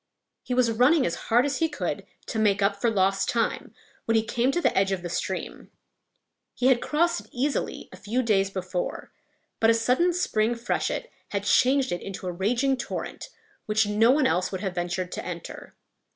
He was running as hard as he could to make up for lost time, when he came to the edge of a stream. He had crossed it easily a few days before; but a sudden spring freshet had changed it into a raging torrent, which no one else would have ventured to enter.